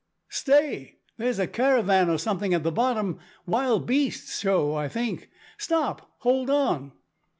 "Stay! there's a caravan or something at the bottom wild beasts' show, I think! Stop! hold on!"